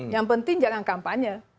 yang penting jangan kampanye